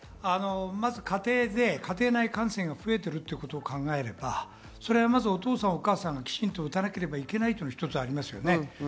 まず、家庭内感染が増えてることを考えればお父さん、お母さんがきちんと打たなければいけないっていうのは一つありますよね。